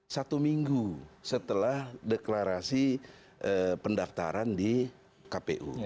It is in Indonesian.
satu minggu setelah deklarasi pendaftaran di kpu